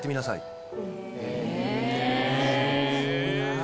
すごいなぁ。